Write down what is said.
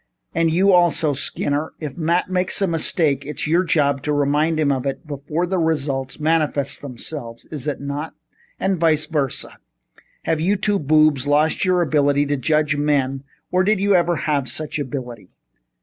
And you, also, Skinner? If Matt makes a mistake, it's your job to remind him of it before the results manifest themselves, is it not? And vice versa. Have you two boobs lost your ability to judge men or did you ever have such ability?"